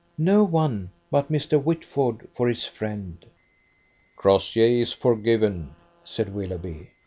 no one but Mr. Whitford for his friend." "Crossjay is forgiven," said Willoughby.